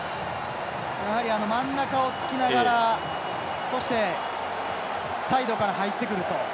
真ん中をつきながらそして、サイドから入ってくると。